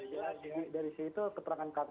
ya dari situ keterangan kantor